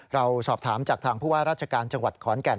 เราสอบถามจากทางผู้ว่าราชการจังหวัดขอนแก่น